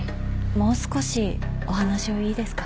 もう少しお話をいいですか。